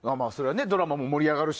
ドラマも盛り上がるし。